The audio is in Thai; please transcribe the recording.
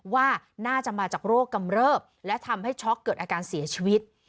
ว่าน่าจะมาจากโรคกำเริบและทำให้ช็อกเกิดอาการเสียชีวิต